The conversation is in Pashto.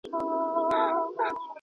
پانګوالو له بازار څخه سمه ګټه اخيستله.